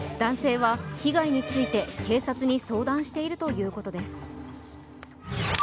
男性は被害について、警察に相談しているということです。